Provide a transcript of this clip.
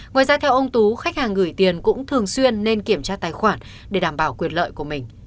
ngoài ra theo ông tú khách hàng gửi tiền cũng thường xuyên nên kiểm tra tài khoản để đảm bảo quyền lợi của mình